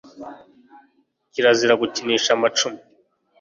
kirazira gukinisha amacumu